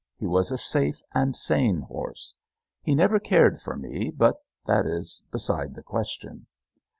He was a safe and sane horse. He never cared for me, but that is beside the question.